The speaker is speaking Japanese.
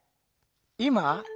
今？